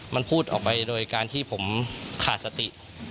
มันพูดออกไปโดยการที่ผมขาดสติ